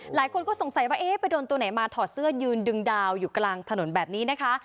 หลายคนก็สงสัยว่าเอ๊ะไปโดนตัวไหนมาถอดเสื้อยืนดึงดาวอยู่กลางถนนแบบนี้นะคะ